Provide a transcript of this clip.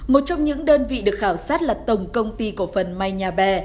một trong những đơn vị được khảo sát là tổng công ty cổ phần may nhà bè